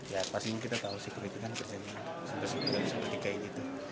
ya pasti kita tahu sih itu kan kerjaan yang seperti seperti kayak gitu